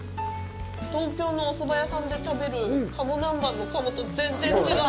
東京のおそば屋さんで食べる鴨南蛮の鴨と全然違う。